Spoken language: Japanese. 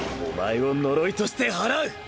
お前を呪いとして祓う！